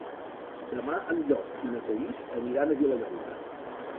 Demà en Llop i na Thaís aniran a Vilallonga.